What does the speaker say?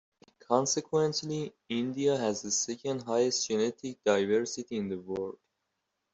Consequently, India has the second-highest genetic diversity in the world.